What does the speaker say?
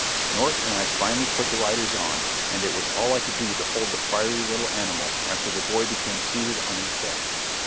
North and I finally put the riders on, and it was all I could do to hold the fiery little animal after the boy became seated on his back.